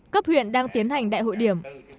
cấp huyện đang tiến hành đại hội điểm